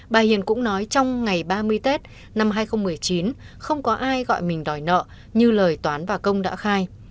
bà hiền cũng nói trong ngày ba mươi tết năm hai nghìn một mươi chín không có ai gọi mình đòi nợ như lời toán và công đã khai